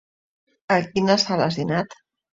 A quina sala has dinat?